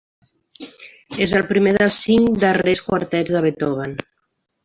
És el primer dels cinc darrers quartets de Beethoven.